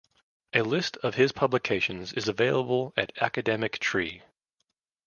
A list of his publications is available at Academic Tree.